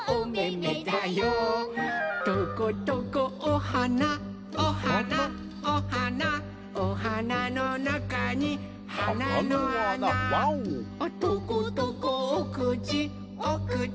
「トコトコおはなおはなおはなおはなのなかにはなのあな」「トコトコおくちおくち